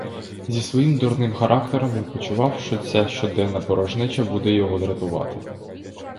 Зі своїм дурним характером він почував, що ця щоденна порожнеча буде його дратувати.